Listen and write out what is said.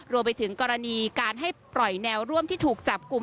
รวมไปถึงกรณีการให้ปล่อยแนวร่วมที่ถูกจับกลุ่ม